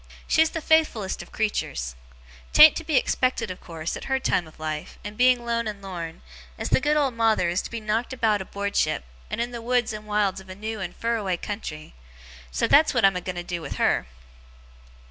She's the faithfullest of creeturs. 'Tan't to be expected, of course, at her time of life, and being lone and lorn, as the good old Mawther is to be knocked about aboardship, and in the woods and wilds of a new and fur away country. So that's what I'm a going to do with her.